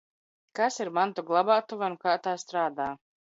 Kas ir mantu glabātuve un kā tā strādā?